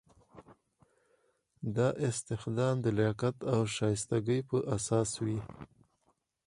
دا استخدام د لیاقت او شایستګۍ په اساس وي.